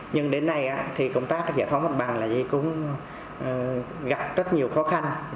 nhưng đến nay thì công tác giải phóng mặt bằng cũng gặp rất nhiều khó khăn